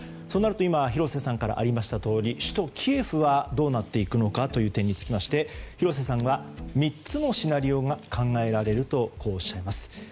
そうなると今廣瀬さんからありましたとおり首都キエフはどうなっていくのかという点につきまして廣瀬さんは３つのシナリオが考えられるとおっしゃいます。